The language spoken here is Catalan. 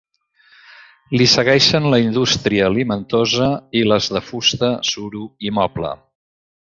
Li segueixen la indústria alimentosa i les de fusta, suro i moble.